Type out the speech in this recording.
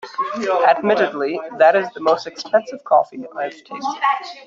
Admittedly, that is the most expensive coffee I’ve tasted.